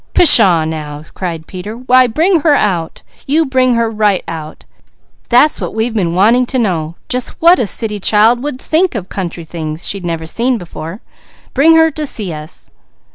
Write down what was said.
"Pshaw, now!" cried Peter. "Why bring her out! You bring her right out! That's what we been wanting to know. Just what a city child would think of country things she'd never seen before. Bring her to see us!"